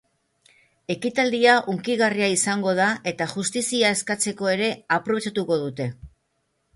Ekitaldia hunkigarria izango da eta justizia eskatzeko ere aprobetxatuko dute.